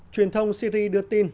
truyền thông siri đưa tin